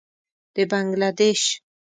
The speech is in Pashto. د بنګله دېش.